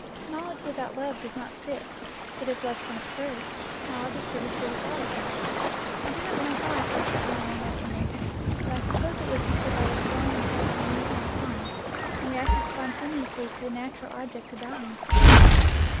Knowledge without love does not stick; but if love comes first, knowledge is pretty sure to follow. I do not know how I first got my own love for nature, but I suppose it was because I was born and passed my youth on the farm, and reacted spontaneously to the natural objects about me.